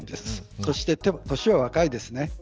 そして、年は若いですね。